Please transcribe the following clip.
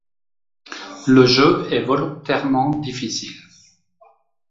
Le jeu est volontairement difficile.